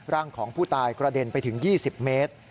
ร่างของผู้ตายกระเด็นไปถึง๒๐เมตร